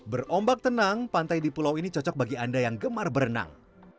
berombak tenang pantai di pulau ini cocok bagi anda yang gemar berenang